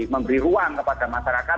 memberi ruang kepada masyarakat